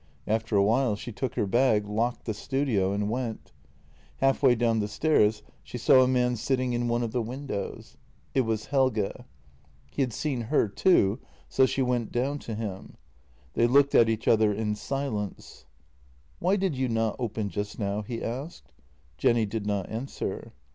After a while she took her bag, locked the studio, and w 7 ent. Half w T ay down the stairs she saw a man sitting in one of the windows. It was Helge. He had seen her too, so she went down to him. They looked at each other in silence. " Why did you not open just now? " he asked. Jenny did not answer.